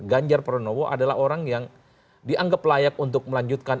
ganjar pranowo adalah orang yang dianggap layak untuk melanjutkan